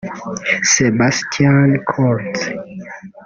Sebastian Kurz